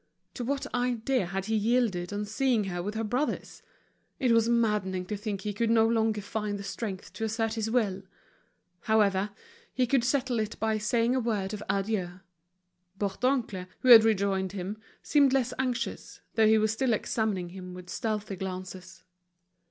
To what idea had he yielded on seeing her with her brothers? It was maddening to think he could no longer find the strength to assert his will. However, he could settle it by saying a word of adieu. Bourdoncle, who had rejoined him, seemed less anxious, though he was still examining him with stealthy glances.